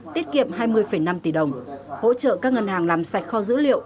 tiết kiệm hai mươi năm tỷ đồng hỗ trợ các ngân hàng làm sạch kho dữ liệu